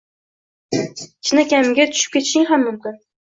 hinakamiga tushib ketishing ham mumkin.